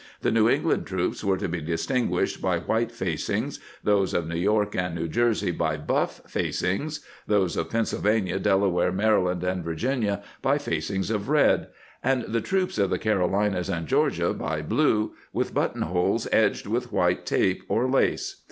The New England trocfps were to be distinguished by white facings, those of New York and New Jer sey by buff facings, those of Pennsylvania, Dela ware, Maryland, and Virginia by facings of red, and the troops of the Carolinas and Georgia by blue, with buttonholes edgfed with white tape or lace.